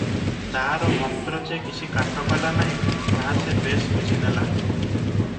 ତାର ମନ୍ତ୍ର ଯେ କିଛି କାଟ କଲା ନାହିଁ, ତାହା ସେ ବେଶ୍ ବୁଝିନେଲା ।